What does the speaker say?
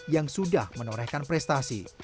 yang sudah menorehkan prestasi